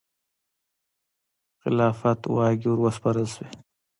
خلافت واګې وروسپارل شوې.